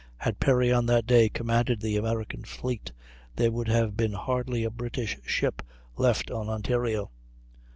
Had Perry on that day commanded the American fleet there would have been hardly a British ship left on Ontario.